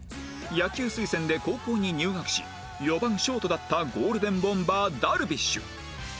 野球推薦で高校に入学し４番ショートだったゴールデンボンバー樽美酒